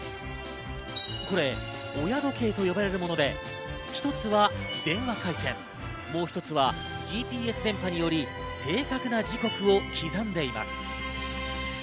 これ、親時計と呼ばれるもので、一つは電話回線、もう一つはＧＰＳ電波により正確な時刻を刻んでいます。